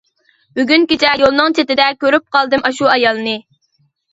بۈگۈن كېچە يولنىڭ چېتىدە، كۆرۈپ قالدىم ئاشۇ ئايالنى.